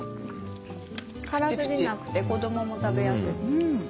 辛すぎなくて子どもも食べやすい。